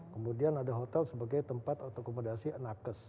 kemudian ada hotel sebagai tempat otomodasi anak kes